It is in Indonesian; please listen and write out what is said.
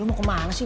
lu mau kemana sih